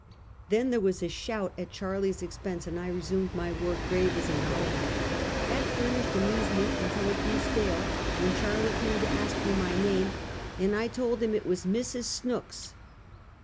Then there was a shout at Charlie's expense, and I resnmed my work, grave as an owl. That furnished amnsement until it grew stale, when Charlie came to ask me my name, and I told him it was Mrs. Snooks.